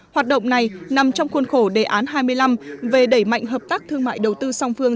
hoạt động này nằm trong khuôn khổ đề án hai mươi năm về đẩy mạnh hợp tác thương mại đầu tư song phương